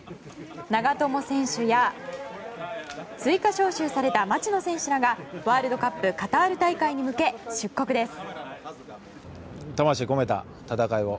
長友選手や追加招集された町野選手らがワールドカップカタール大会に向け出国です。